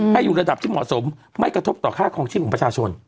ให้อยู่ระดับที่เหมาะสมไม่กระทบต่อค่าคลองชีพของประชาชน